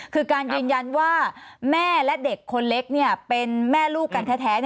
คือการยืนยันว่าแม่และเด็กคนเล็กเป็นแม่ลูกกันแท้